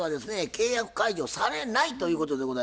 契約解除されないということでございますね。